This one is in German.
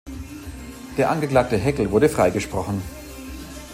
Der Angeklagte Heckel wurde freigesprochen.